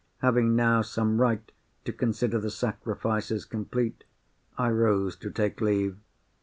Having now some right to consider the sacrifice as complete, I rose to take leave.